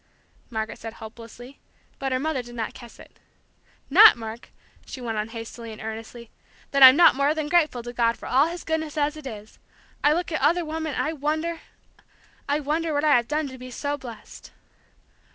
Margaret said hopelessly, but her mother did not catch it. "Not, Mark," she went on hastily and earnestly, "that I'm not more than grateful to God for all His goodness, as it is! I look at other women, and I wonder, I wonder what I have done to be so blessed!